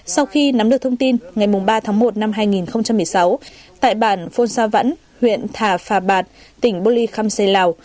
sau khi nắm được thông tin ngày ba tháng một năm hai nghìn một mươi sáu tại bản phôn sa vẫn huyện thà phà bạt tỉnh bô ly khăm xây lào